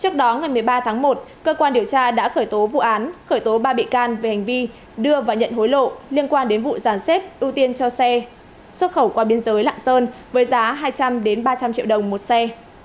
trước đó ngày một mươi ba tháng một cơ quan điều tra đã khởi tố vụ án khởi tố ba bị can về hành vi đưa và nhận hối lộ liên quan đến vụ giàn xếp ưu tiên cho xe xuất khẩu qua biên giới lạng sơn với giá hai trăm linh ba trăm linh triệu đồng một xe